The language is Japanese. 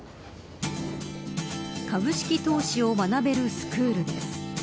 株式投資を学べるスクールです。